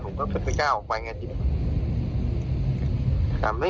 ผมก็ไม่กล้าออกไปง่าย